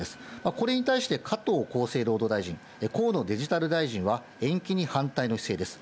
これに対して、加藤厚生労働大臣、河野デジタル大臣は、延期に反対の姿勢です。